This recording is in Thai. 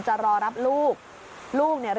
จะรอรับลูก